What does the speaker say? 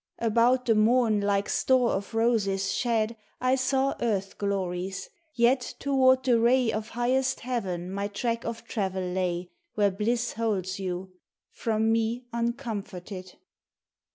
About the morn like store of roses shed I saw earth glories, yet toward the ray Of highest heaven my track of travel lay Where bliss holds you— from me uncomforted